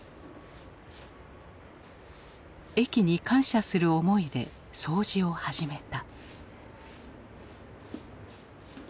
駅に感謝する思いで掃除を始めた。